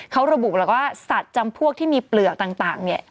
เขาระบุแล้วว่าสัตว์จำพวกที่มีเปลือกต่างเนี่ย